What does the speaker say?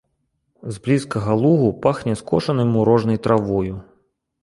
З блізкага лугу пахне скошанай мурожнай травою.